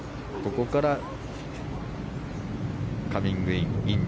ここからカミングイン。